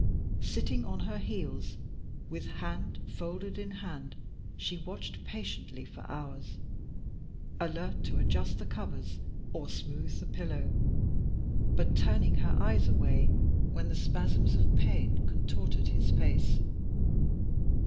Sitting on her heels, with hand folded in hand, she watched patiently for hours, alert to adjust the covers or smooth the pillow, but turning her eyes away when the spasms of pain contorted his face.